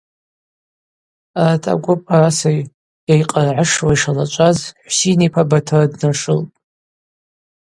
Арат агвып араса йайкъыргӏышуа йшалачӏваз Хӏвсин йпа Батыр днашылтӏ.